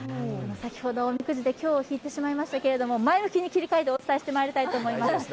先ほど、おみくじで凶を引いてしまいましたけれども、前向きに切り替えてお伝えしてまいりたいと思います。